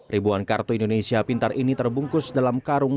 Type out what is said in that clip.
ribuan kartu indonesia pintar ini terbungkus dalam karung